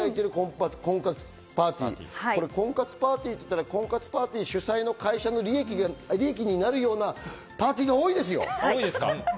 婚活パーティーって言ったら婚活パーティーの主催会社の利益になるパーティー多いですよ。